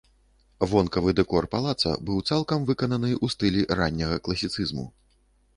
Вонкавы дэкор палаца быў цалкам выкананы ў стылі ранняга класіцызму.